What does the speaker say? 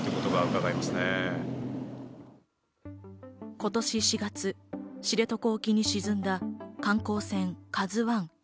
今年４月、知床沖で沈んだ観光船「ＫＡＺＵ１」。